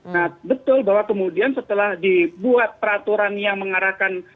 nah betul bahwa kemudian setelah dibuat peraturan yang mengarahkan